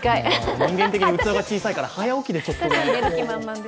人間的に器が小さいから、早起きでちょっと。